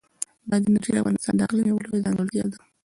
بادي انرژي د افغانستان د اقلیم یوه لویه ځانګړتیا ده.